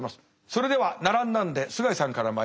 それでは並んだんで須貝さんからまいりましょう。